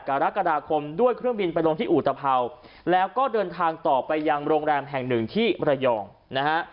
กรกฎาคมด้วยเครื่องบินไปลงที่อุตภาวแล้วก็เดินทางต่อไปยังโรงแรมแห่งหนึ่งที่มรยองนะฮะ